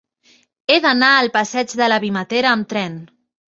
He d'anar a la passeig de la Vimetera amb tren.